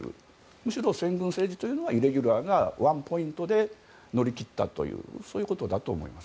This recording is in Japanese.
むしろ先軍政治というのはイレギュラーなワンポイントで乗り切ったというそういうことだと思います。